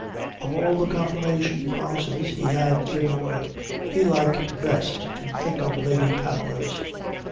Of all the confirmation crosses he had given away he liked best to think of Lady Pamela's.